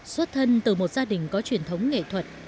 xuất thân từ một gia đình có truyền thống nghệ thuật